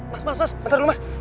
mas mas mas bentar dulu mas